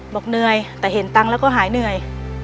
บอกเหนื่อยแต่เห็นตังค์แล้วก็หายเหนื่อย